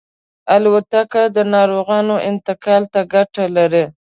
الوتکه د ناروغانو انتقال ته ګټه لري.